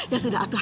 ya sudah atuh